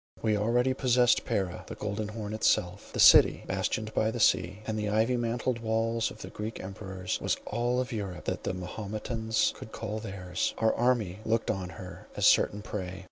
We already possessed Pera; the Golden Horn itself, the city, bastioned by the sea, and the ivy mantled walls of the Greek emperors was all of Europe that the Mahometans could call theirs. Our army looked on her as certain prey.